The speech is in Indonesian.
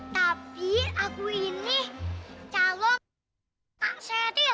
tapi aku ini calon pasien kak seril